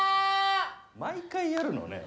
毎回やるのね。